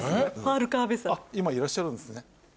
今いらっしゃるんですね。